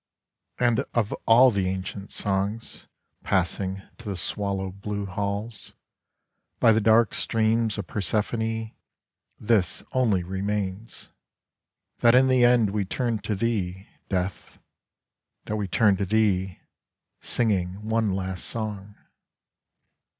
And of all the ancient songsPassing to the swallow blue hallsBy the dark streams of Persephone, This only remains:That in the end we turn to thee, Death, That we turn to thee, singingOne last song.